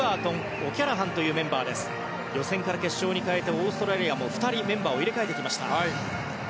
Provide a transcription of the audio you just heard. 予選から決勝にかけてオーストラリアも２人、メンバーを入れ替えてきました。